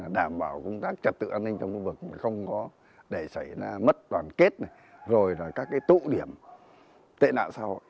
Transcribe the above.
đảm bảo công tác trật tự an ninh trong khu vực không có để xảy ra mất đoàn kết này rồi các tụ điểm tệ nạn xã hội